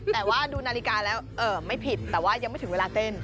แต่ว่าดูนาฬิกาแล้วไม่ผิดแต่ว่ายังไม่ถึงเวลาเต้น